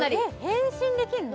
変身できるの？